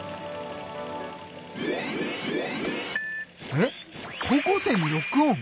えっ高校生にロックオン？